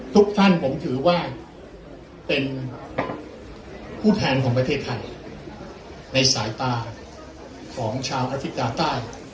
ทุกท่านผมถือว่าเป็นผู้แทนของประเทศไทยในสายตาของชาวนาริกาใต้